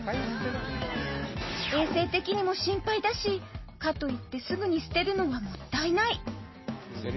衛生的にも心配だしかといってすぐに捨てるのはもったいない